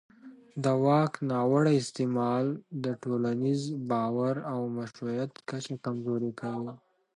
د واک ناوړه استعمال د ټولنیز باور او مشروعیت کچه کمزوري کوي